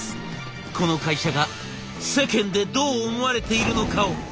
この会社が世間でどう思われているのかを」。